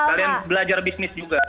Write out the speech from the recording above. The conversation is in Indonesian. kalian belajar bisnis juga